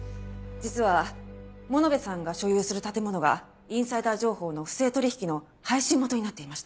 実は物部さんが所有する建物がインサイダー情報の不正取引の配信元になっていました。